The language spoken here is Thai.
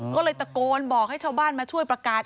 ก็เลยตะโกนบอกให้ชาวบ้านมาช่วยประกาศ